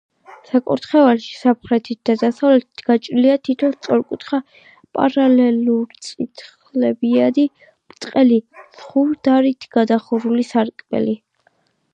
საკურთხეველში, სამხრეთით და დასავლეთით, გაჭრილია თითო სწორკუთხა პარალელურწირთხლებიანი, ბრტყელი ზღუდარით გადახურული სარკმელი.